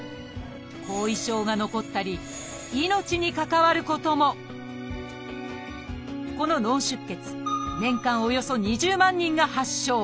後遺症が残ったり命に関わることもこの脳出血年間およそ２０万人が発症。